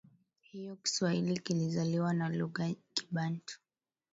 Hivyo Kiswahili kilizaliwa kuwa lugha ya Kibantu